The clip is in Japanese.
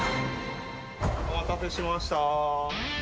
お待たせしました。